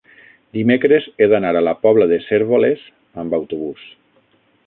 dimecres he d'anar a la Pobla de Cérvoles amb autobús.